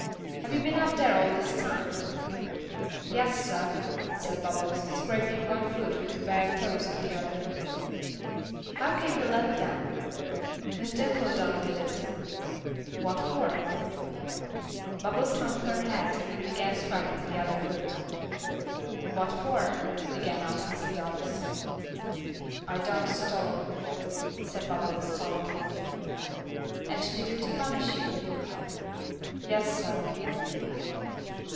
"Have you been up there all this time?" "Yas, sah," said Bubbles, scraping one foot with the bare toes of the other. "How came the ladder down?" "Miss Dimple done did it." "What for?" Bubbles hung her head, and began scraping the other foot. "What for?" again asked Mr. Dallas. "I done stole," said Bubbles, solemnly. "And she did it to punish you?" "Yas, sah."